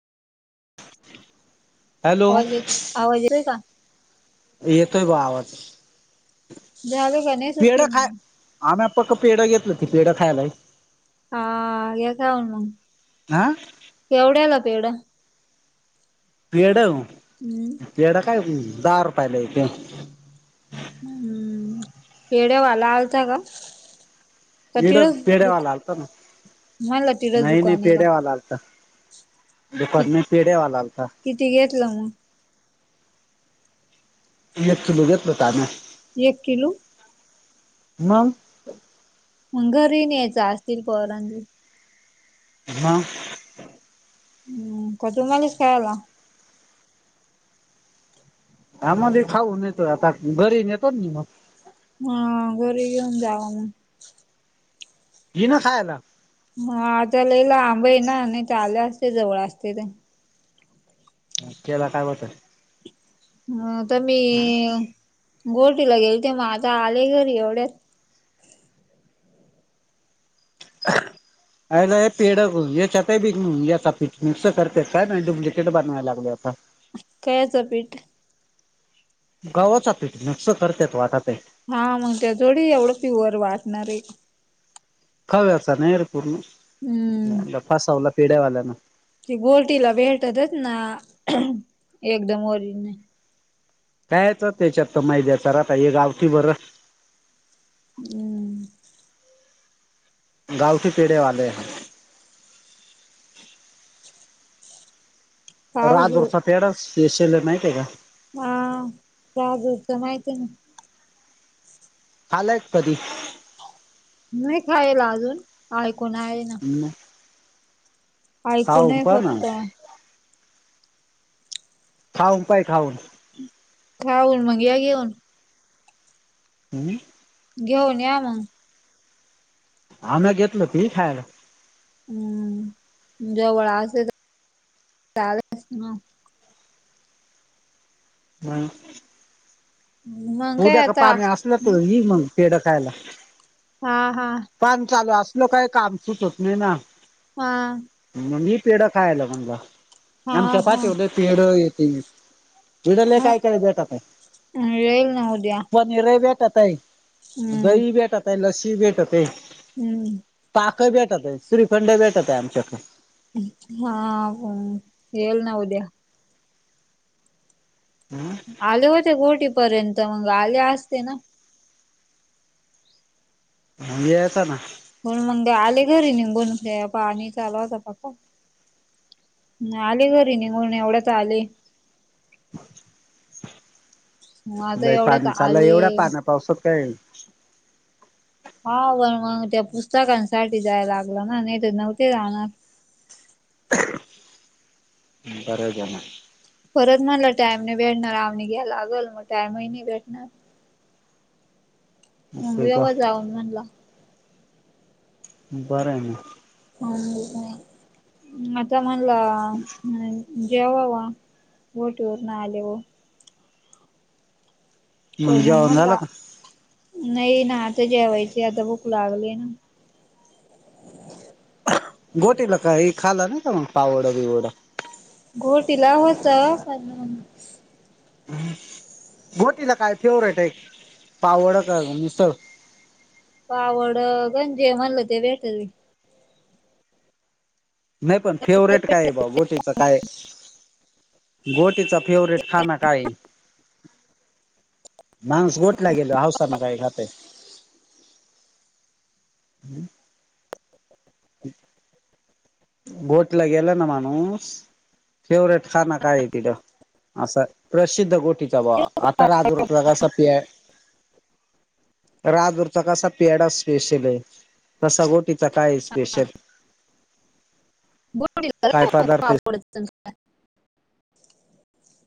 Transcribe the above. Hello आवाज येत आवाज येतोय का? येतोय ब आवाज झाली का नाही सुट्टी पेढं खाय म आम्ही आपक पेढं घेतलं ती पेढं खायालाइस आह हे काय मग हा केवढ्याला पेढ? पेढ [unintelligible] पेढ काय [unintelligible] दहा रुपयाला एक हाय हम्म पेढे वाला आलता का? का पेढ तिडच पेढे दुक वाला आलत ना [unintelligible] नाही नाही आहे का पेढे वाला आलता कि दुपारन पेढे वाला आलता किती घेतलं म? एक किलो घेतलं [unintelligible] एक किलो म मग घरी न्यायचं असतील पोरां हा. [unintelligible] हा मध्ये खाऊ न येतो आता घरी नेतो नी म हा घरी घेऊन जावा म ये ना खायला? माझ लई लांबय ना नाही त आले असते जवळ असते तर त्याला काय होत ह तर मी गोटीला गेलते म आता आले घरी एवढ्यात काय नाय पेढ [unintelligible] याच्यात [unintelligible] काय नाही डुप्लिकेट बनवाय लागले आता कायचं पीठ? गव्हाच पिठ मिक्स करत्यात वाटतयं हा मग ते थोडी एवढं प्युअर वाटणारेय खव्याचा नाही रे पूर्ण हम्म. ते फसवल पेढेवाल्याने ती गोटीला भेटतच ना एकदम ओरीजनल कायच त्याच्यात तर माैद्याचा राहता हे गावठी बरं हम्म. गावचे पेढे वाले पावजो [unintelligible] चा पेढा स्पेशल आहे माहितेय का? हा बहादूरचा माहितेय ना खाल्लायस कधी? नाही खायला अजून ऐकून आहे ना म ऐकून आहे फक्त. खाऊन पाय खाऊन खाऊन मग या घेऊन हम्म. घेऊन या मग. आम्हीया घेतल ती खायला हम्म जवळ असे तर [unintelligible] हम् [inaudible] मग काय उद्या का आता पाणी असलं तर येई मग पेढं खायला. हा, हा. पाणी चालू असल काही, काम सुटत नाही ना. हा. म मी पेढं खायला म्हणल, हा आमच्या हा पाठीवर पेढ येते मी. [unintelligible] पत हा येईल ना उद्या [unintelligible] [unintelligible] भेटतय हम्म दही भेटतय, लस्सी भेटतय. हम्म. ताक भेटत, श्रीखंड भेटतय, आमच्याकडे. हा, हा, येल ना उद्या. हम्म [inaudible] आले होते गोटी पर्यंत, मंग आले असते ना? मंग यायचं ना? मगं आले घरी निघून हे पाणी चालवा होता पका. आले घरी निघून एवढ्यात आले. आता लय एवढ्याच पाणी चाललय, आले एवढा पाण्या पावसात काय- हा पण मग, त्या पुस्तकांसाठी जाय लागलं ना, नाही तर नव्हते जाणार. बरं झालं. परत म्हणलं टाईम नाही भेटणार, आम्ही घ्यायला लागल मग टाइमही नाही भेटणार. मग असं का येवा जाऊन म्हणल. बरंय मग. हा आता म्हणला- [unintelligible] जेव्हा वा गोटीवरन आले व. ब [unintelligible] मग जेवण झालं म्हंटला का नाही ना, आता जेवायचे आता भूक लागले ना. गोटीला काही खालं ना का मग पावडं बिवडं? घोटीला होत- गोटीला काय फेवरेट आहे, पाववडा का मिसळ? पावड गण जेवण म्हणलं ते भेटल [unintelligible] नाही पण, फेवरेट काय आहे बाव गोटीच काय? गोटीचा- फेवरेट खाणं काय? माणूस गोठला गेलो हावसाना काही खातय? हम्म [inaudible] गोटला गेला ना माणूस- फेवरेट खाना काय आहे तिथं, अस प्रसिद्ध गो- आता राजरर कसा पि [unintelligible] राजुरचा कसा पेढा स्पेशल आहे, तसा गोटीचा काय? स्पेशल? काय बुट पदार्थ [unintelligible]